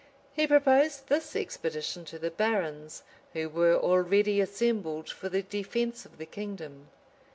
He proposed this expedition to the barons, who were already assembled for the defence of the kingdom.